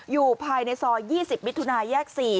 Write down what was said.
อยู่ภายในซอย๒๐มิถุนายแยก๔